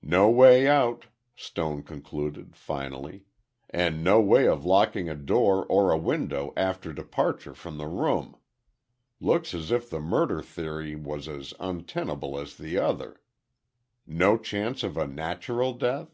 "No way out," Stone concluded, finally; "and no way of locking a door or a window after departure from the room. Looks as if the murder theory was as untenable as the other. No chance of a natural death?"